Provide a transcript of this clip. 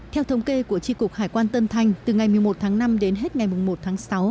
theo thống kê của tri cục hải quan tân thanh từ ngày một mươi một tháng năm đến hết ngày một tháng sáu